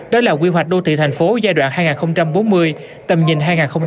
đó là quy hoạch đô thị thành phố giai đoạn hai nghìn bốn mươi tầm nhìn hai nghìn năm mươi